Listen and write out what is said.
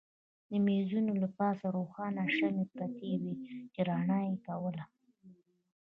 د مېزونو له پاسه روښانه شمعې پرتې وې چې رڼا یې کوله.